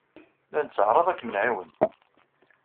La netteɛṛaḍ ad kem-nɛiwen.